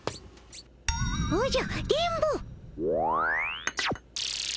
おじゃ電ボ！